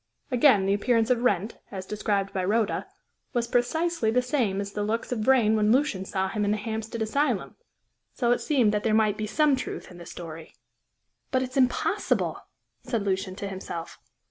Again, the appearance of Wrent, as described by Rhoda, was precisely the same as the looks of Vrain when Lucian saw him in the Hampstead asylum; so it seemed that there might be some truth in the story. "But it's impossible!" said Lucian to himself.